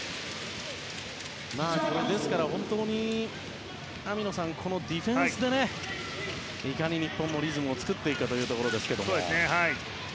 ですから、本当にこのディフェンスでいかに日本もリズムを作っていくかですね。